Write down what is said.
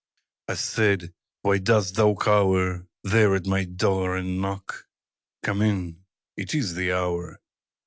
I said, _Why dost thou cower There at my door and knock? Come in! It is the hour!